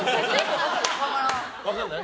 分かんない？